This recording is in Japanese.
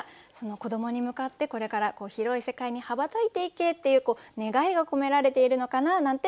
子どもに向かってこれから広い世界に羽ばたいていけっていう願いが込められているのかななんて感じました。